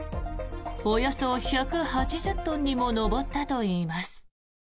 およそ１８０トンにも上ったといいます。